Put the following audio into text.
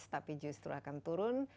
tapi justru akan turun